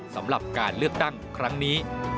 สำหรับการเลือกตั้งครั้งนี้